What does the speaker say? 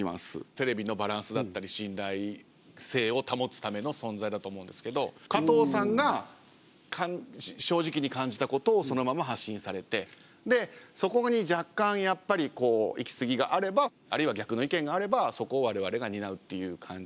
テレビのバランスだったり信頼性を保つための存在だと思うんですけど加藤さんが正直に感じたことをそのまま発信されてでそこに若干やっぱりこう行き過ぎがあればあるいは逆の意見があればそこを我々が担うっていう感じかと思いますけど。